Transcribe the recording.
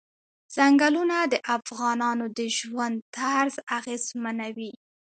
ځنګلونه د افغانانو د ژوند طرز اغېزمنوي.